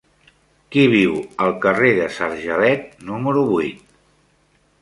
Qui viu al carrer de Sargelet número vuit?